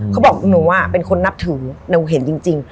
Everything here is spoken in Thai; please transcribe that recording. เขาบอกหนูเป็นคนนับถือหนูเห็นจริง